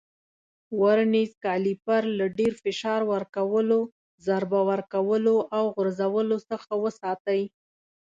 ورنیز کالیپر له ډېر فشار ورکولو، ضرب ورکولو او غورځولو څخه وساتئ.